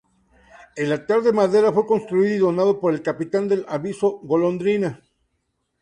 El altar de madera fue construido y donado por el capitán del Aviso Golondrina.